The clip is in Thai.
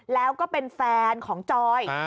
แล้วก็เป็นแฟนของจอย